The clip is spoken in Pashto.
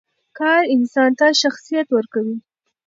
کار انسان ته شخصیت ورکوي.